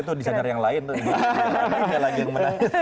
ya padahal kbt itu desainer yang lain